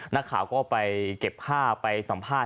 นักข่าวก็ไปเก็บภาพไปสัมภาษณ์